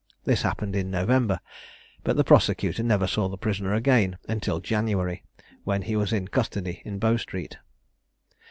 This happened in November; but the prosecutor never saw the prisoner again until January, when he was in custody in Bow Street.